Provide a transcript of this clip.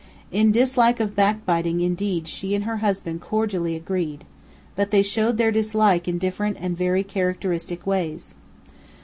In dislike of backbiting indeed she and her husband cordially agreed; but they showed their dislike in different and in very characteristic ways.